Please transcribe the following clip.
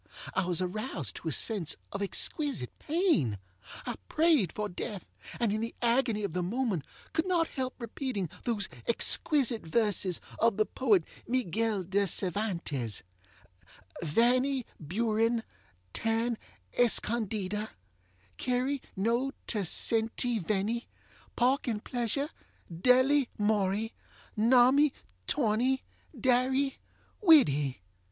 I was aroused to a sense of exquisite pain. I prayed for death, and, in the agony of the moment, could not help repeating those exquisite verses of the poet Miguel De Cervantes: Vanny Buren, tan escondida Query no te senty venny Pork and pleasure, delly morry Nommy, torny, darry, widdy!